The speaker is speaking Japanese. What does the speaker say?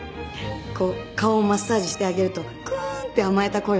こう顔をマッサージしてあげるとクゥーンって甘えた声を出して。